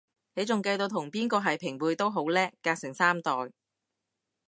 你仲計到同邊個係平輩都好叻，隔成三代